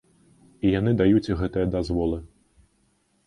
І яны даюць гэтыя дазволы.